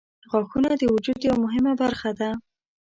• غاښونه د وجود یوه مهمه برخه ده.